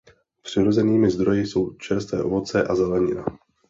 Přirozenými zdroji jsou čerstvé ovoce a zelenina.